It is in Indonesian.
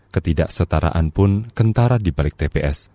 ketidaksetaraan pun kentara dibalik tps